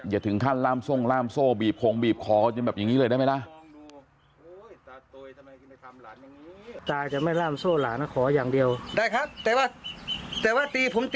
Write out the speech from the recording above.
อย่าถึงขั้นล่ามทรงล่ามโซ่บีบคงบีบคอจนแบบอย่างนี้เลยได้ไหมล่ะ